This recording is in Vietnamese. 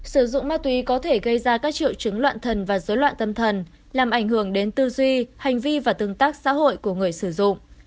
sử dụng ma túy có thể gây ra các triệu chứng loạn thần và dối loạn tâm thần làm ảnh hưởng đến tư duy hành vi và tương tác xã hội của người sử dụng